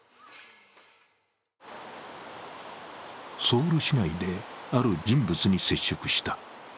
ソウル市内である人物に接触した。